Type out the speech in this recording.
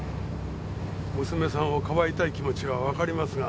娘さんを庇いたい気持ちはわかりますが。